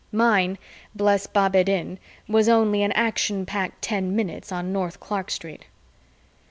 Mine, bless Bab ed Din, was only an action packed ten minutes on North Clark Street.